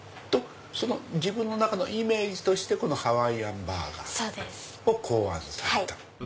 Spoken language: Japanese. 自分の中のイメージとしてこのハワイアンバーガーを考案された。